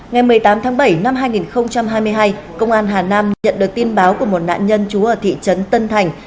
ngày một mươi tám tháng bảy năm hai nghìn hai mươi hai công an hà nam nhận được tin báo của một nạn nhân trú ở thị trấn tân thành